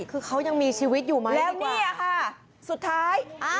คือเค้ายังมีชีวิตอยู่ไหมแล้วเนี้ยค่ะสุดท้ายอ้าว